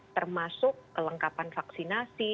termasuk kelengkapan vaksinasi